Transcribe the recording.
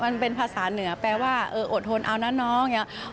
มันเป็นภาษาเหนือแปลว่าโอ๊ดโทนเอาน่าน้อง